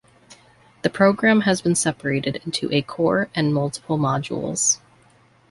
The program has been separated into a core and multiple modules.